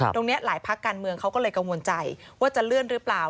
ตรงนี้หลายภาคการเมืองเขาก็เลยกังวลใจว่าจะเลื่อนหรือเปล่า